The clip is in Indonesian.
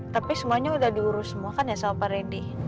tapi semuanya udah diurus semua kan ya so far randy